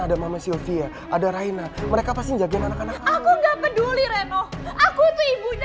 ada mama sylvia ada raina mereka pasti menjaga anak anak aku enggak peduli reno aku tuh ibunya